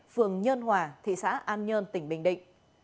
phường nhân hòa thị xã an nhơn tỉnh bình định